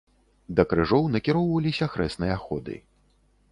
Да крыжоў накіроўваліся хрэсныя ходы.